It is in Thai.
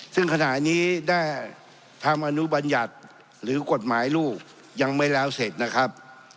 ซึ่งขณะนี้ได้ทำอนุบัญญัติหรือกฎหมายลูกยังไม่แล้วเสร็จนะครับ